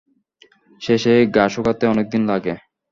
শেষে ঘা শুকাতে অনেক দিন লাগে।